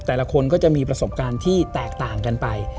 แต่ละคนก็จะมีประสบการณ์ที่แตกต่างกันไป